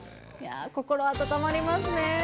心温まりますね。